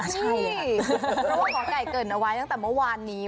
รู้ว่ามไก่เกิดเอาไว้ตั้งแต่เมื่อวานนี้